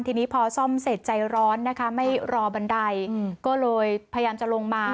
ทีนี้พอซ่อมเสร็จใจร้อนนะคะไม่รอบันไดก็เลยพยายามจะลงมา